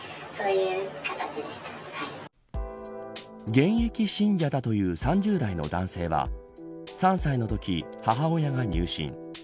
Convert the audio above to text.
現役信者だという３０代の男性は３歳のとき、母親が入信。